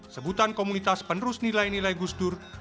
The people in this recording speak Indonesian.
sebutan komunitas penerus nilai nilai gusdur